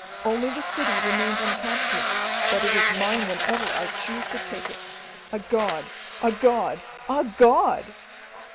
Only the city remains uncaptured, but it is mine whenever I choose to take it. A god a god a god!"